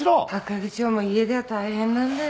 係長も家では大変なんだよ。